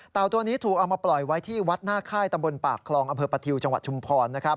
ตัวนี้ถูกเอามาปล่อยไว้ที่วัดหน้าค่ายตำบลปากคลองอำเภอประทิวจังหวัดชุมพร